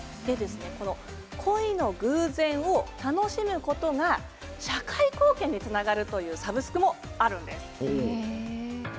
この故意の偶然を楽しむことが社会貢献につながるというサブスクもあるんです。